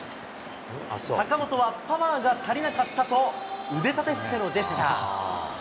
坂本はパワーが足りなかったと、腕立て伏せのジェスチャー。